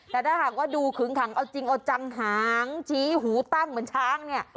แต่ถ้าหากว่าดูขึงขังเอาจริงเอาจังหางชี้หูตั้งเหมือนช้างเนี่ย